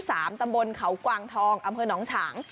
ตำบลเขากวางทองอำเภอหนองฉาง